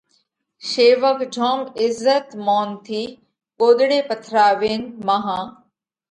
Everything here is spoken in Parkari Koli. شيوَڪ جوم عزت مونَ ٿِي ڳوۮڙي پٿراوينَ مانه